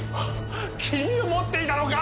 君が持っていたのか！